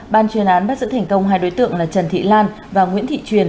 ban chuyên án bắt giữ thành công hai đối tượng là trần thị lan và nguyễn thị truyền